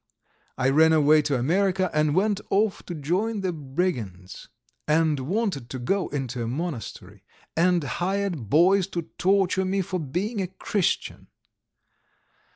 I ran away to America and went off to join the brigands, and wanted to go into a monastery, and hired boys to torture me for being a Christian.